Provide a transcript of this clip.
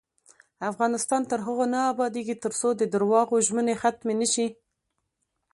افغانستان تر هغو نه ابادیږي، ترڅو د درواغو ژمنې ختمې نشي.